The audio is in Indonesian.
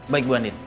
baik bu andin